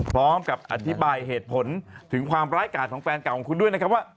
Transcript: พร้อมกับอธิบายเหตุผลถึงความร้ายกาดของแฟนเก่าของคุณด้วยนะครับว่า